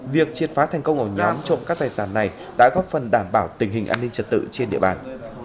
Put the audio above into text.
việc triệt phá thành công ổ nhóm trộm cắp tài sản này đã góp phần đảm bảo tình hình an ninh trật tự trên địa bàn